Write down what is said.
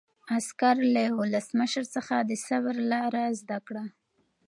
عسکر له ولسمشر څخه د صبر لاره زده کړه.